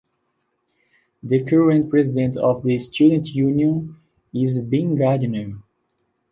The current president of the Student Union is Ben Gardiner.